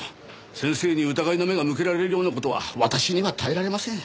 先生に疑いの目が向けられるような事は私には耐えられません。